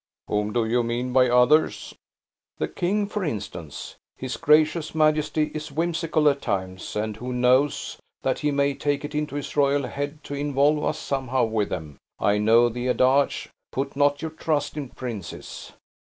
"Whom do you mean by others?" "The king, for instance. His gracious majesty is whimsical at times; and who knows that he may take it into his royal head to involve us somehow with them. I know the adage, 'put not your trust in princes.'"